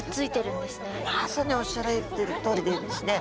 まさにおっしゃられているとおりですね。